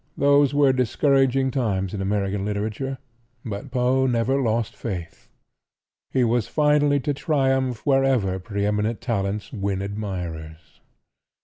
Those were discouraging times in American literature, but Poe never lost faith. He was finally to triumph wherever pre eminent talents win admirers.